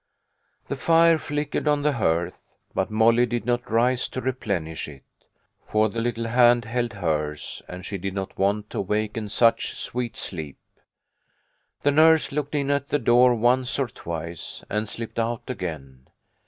The fire flickered on the hearth, but Molly did not rise to replenish it, for the little hand held hers, and she did not want to waken such sweet sleep. The nurse looked in at the door once or twice, and slipped out again.